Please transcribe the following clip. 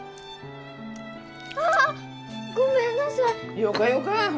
あ！ごめんなさい。